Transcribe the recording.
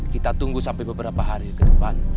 kita tunggu sampai beberapa hari ke depan